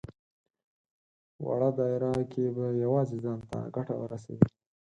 وړه دايره کې به يوازې ځان ته ګټه ورسوي.